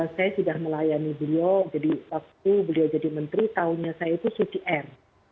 saya sudah melayani beliau jadi waktu beliau jadi menteri tahunnya saya itu suti m